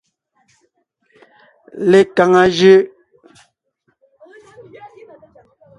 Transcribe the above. Lekaŋa jʉʼ.